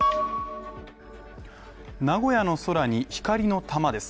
名古屋の空に光の玉です。